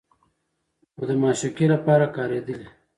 خو د معشوقې لپاره کارېدلي